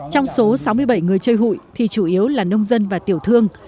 trong số sáu mươi bảy người chơi hụi thì chủ yếu là nông dân và tiểu thương